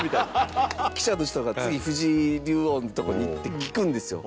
記者の人が次藤井竜王のとこに行って聞くんですよ。